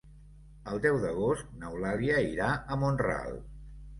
El deu d'agost n'Eulàlia irà a Mont-ral.